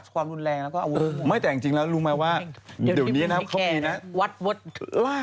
เขาก็เลยพามาส่งโรงพยาบาล